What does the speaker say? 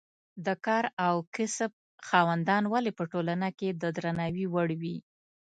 د کار او کسب خاوندان ولې په ټولنه کې د درناوي وړ وي.